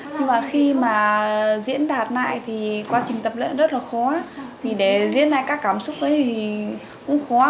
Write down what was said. nhưng mà khi mà diễn đạt lại thì quá trình tập luyện rất là khó thì để diễn lại các cảm xúc ấy thì cũng khó